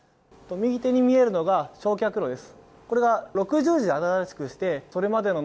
右手に見えるのが焼却炉です。